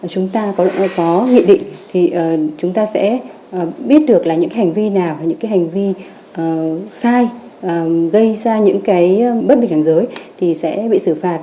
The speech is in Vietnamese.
chúng ta có nghị định thì chúng ta sẽ biết được là những hành vi nào những cái hành vi sai gây ra những cái bất bình đẳng giới thì sẽ bị xử phạt